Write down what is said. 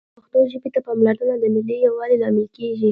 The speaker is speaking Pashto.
پښتو ژبې ته پاملرنه د ملي یووالي لامل کېږي